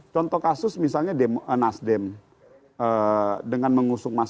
contoh kasus misalnya nasdem dengan mengusung mas